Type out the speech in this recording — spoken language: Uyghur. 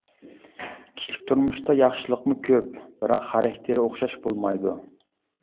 كىشىلىك تۇرمۇشتا ياخشىلىقمۇ كۆپ، بىراق خاراكتېرى ئوخشاش بولمايدۇ.